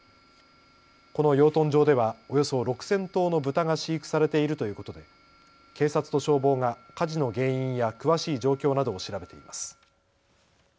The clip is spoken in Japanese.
この養豚場ではおよそ６０００頭の豚が飼育されているということで警察と消防が火事の原因や詳しい状況などを調べています。